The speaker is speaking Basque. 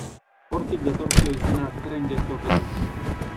Hortik datorkio izena tren geltokiari.